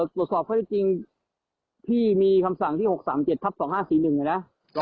สร้อตสอบเขาจริงจริงพี่มีคำสั่งที่หกสามเจ็ดทับสองห้าสี่นึงนะนะ